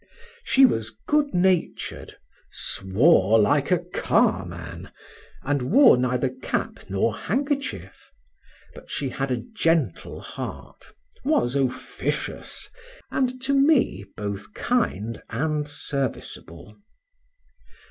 She was good natured, swore like a carman, and wore neither cap nor handkerchief; but she had a gentle heart, was officious; and to me both kind and serviceable.